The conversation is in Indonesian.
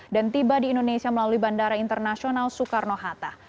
dan tiba di indonesia melalui bandara internasional soekarno hatta